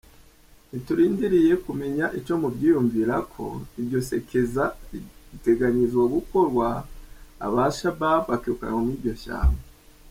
"Ntiturindiriye kumenya ico muvyiyumvirako, iryo sekeza ritegerezwa gukogwa, aba Shabab bakirukanwa muri iryo shamba.